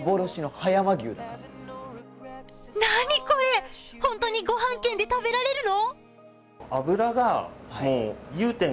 何これ、本当にごはん券で食べられるの？